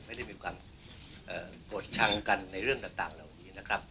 ไม่ได้มีความโกรธชังกันในเรื่องต่างเหล่านี้นะครับ